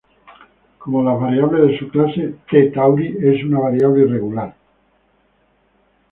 Como las variables de su clase, T Tauri es una variable irregular.